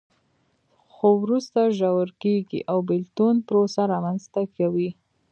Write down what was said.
خو وروسته ژور کېږي او بېلتون پروسه رامنځته کوي.